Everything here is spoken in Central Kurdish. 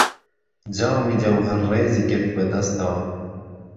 جامی جهوههر ڕێزی گرت به دهستهوه